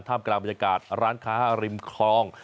กลางบรรยากาศร้านค้าริมคลอง